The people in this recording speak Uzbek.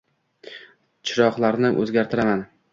chiroqlarni o‘zgartiraman.